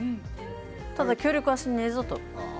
ただ協力はしねえぞと。